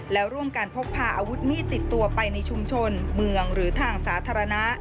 แล้วร่วมกันพกพาอาวุธมีดติดตัวไปในชุมชนเมืองหรือทางสาธารณะ